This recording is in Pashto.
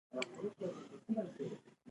د ناول جوړښت د سفر پر بنسټ دی.